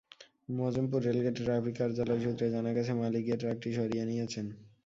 মজমপুর রেলগেটে ট্রাফিক কার্যালয় সূত্রে জানা গেছে, মালিক গিয়ে ট্রাকটি সরিয়ে নিয়েছেন।